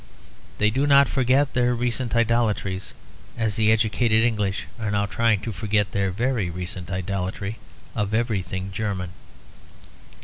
They do not forget their recent idolatries, as the educated English are now trying to forget their very recent idolatry of everything German.